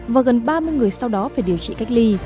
và gần ba mươi người sau đó phải điều trị cách ly